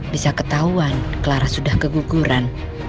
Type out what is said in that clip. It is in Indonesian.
bisa ketahuan clara sudah keguguran